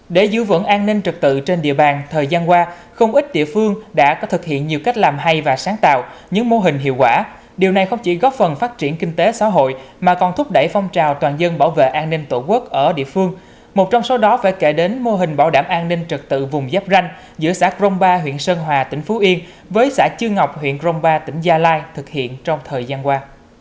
để giữ vững an ninh trật tự trên địa bàn thời gian qua không ít địa phương đã có thực hiện nhiều cách làm hay và sáng tạo những mô hình hiệu quả điều này không chỉ góp phần phát triển kinh tế xã hội mà còn thúc đẩy phong trào toàn dân bảo vệ an ninh tổ quốc ở địa phương một trong số đó phải kể đến mô hình bảo đảm an ninh trật tự vùng giáp ranh giữa xã crong ba huyện sơn hòa tỉnh phú yên với xã chư ngọc huyện crong ba tỉnh gia lai thực hiện trong thời gian qua